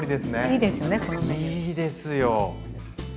いいですよ。